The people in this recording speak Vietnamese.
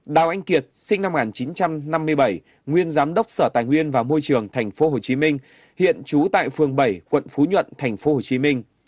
đào anh kiệt sinh năm một nghìn chín trăm năm mươi bảy nguyên giám đốc sở tài nguyên và môi trường tp hcm hiện trú tại phường bảy quận phú nhuận tp hcm